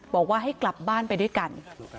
บอกว่าให้กลับบ้านไปด้วยกัน